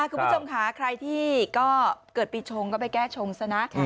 คุณผู้ชมค่ะใครที่ก็เกิดปีชงก็ไปแก้ชงซะนะ